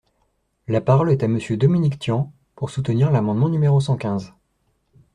La parole est à Monsieur Dominique Tian, pour soutenir l’amendement numéro cent quinze.